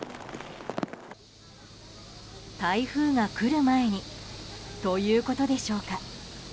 台風が来る前にということでしょうか。